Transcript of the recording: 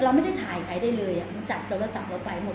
เราก็ไม่ต้องได้ว่านะแล้วมันอยู่บอกไม่ได้จับ